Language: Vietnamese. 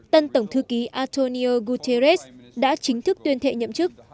tân tổng thư ký antonio guterres đã chính thức tuyên thệ nhậm chức